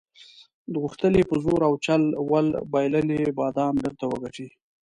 غوښتل یې په زور او چل ول بایللي بادام بیرته وګټي.